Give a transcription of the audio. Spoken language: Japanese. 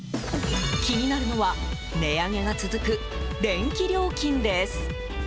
気になるのは値上げが続く電気料金です。